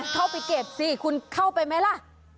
เข้าไปเก็บสิคุณเข้าไปไหมล่ะ